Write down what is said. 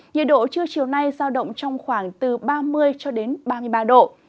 nhiệt độ trưa chiều nay giao động trong khoảng từ ba mươi cho đến ba mươi ba độ